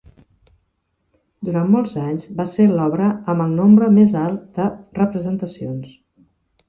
Durant molts anys va ser l'obra amb el nombre més alt de representacions.